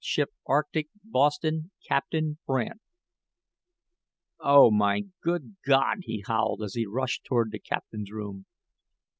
Ship Arctic, Boston, Capt. Brandt." "Oh, mine good God," he howled, as he rushed toward the Captain's room.